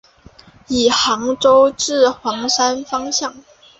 以杭州至黄山方向。